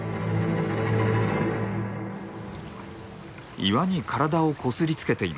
岩に体をこすりつけています。